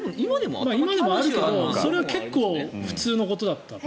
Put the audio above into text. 今でもあるけどそれは結構普通のことだった。